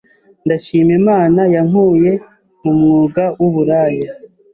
Ndashima Imana yankuye mu mwuga w’uburaya